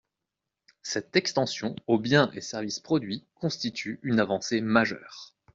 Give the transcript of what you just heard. Cette extension aux biens et services produits constitue une avancée majeure.